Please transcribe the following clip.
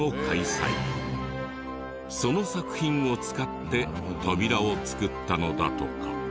その作品を使って扉を作ったのだとか。